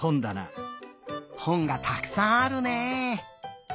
ほんがたくさんあるね。